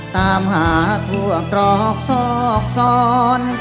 ตามหาทั่วตรอกซอกซ้อน